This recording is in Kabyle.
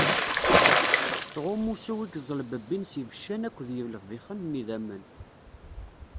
Tɣum usu-w i iẓelbebbin s yibeccan akked yilbixen n yidammen.